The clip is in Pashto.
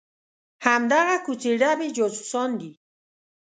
همدغه کوڅې ډبي جاسوسان دي.